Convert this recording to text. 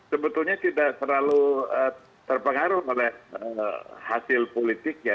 sebetulnya tidak terlalu terpengaruh oleh hasil politik ya